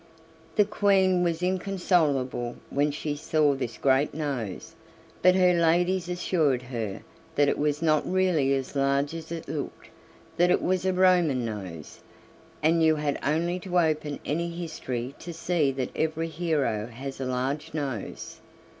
The Queen was inconsolable when she saw this great nose, but her ladies assured her that it was not really as large as it looked; that it was a Roman nose, and you had only to open any history to see that every hero has a large nose.